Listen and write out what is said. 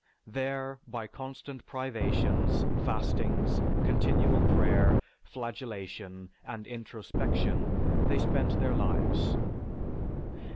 There, by constant privations, fastings, continual prayer, flagellation, and introspection, they spent their lives.